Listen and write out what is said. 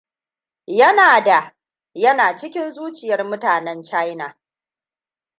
Yana da: yana cikin zuciyar mutanen China.